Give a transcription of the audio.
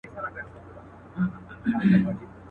هره ورځ لا جرګې کېږي د مېږیانو.